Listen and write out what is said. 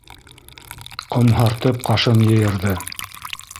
Ҡомһартып ҡашын йыйырҙы.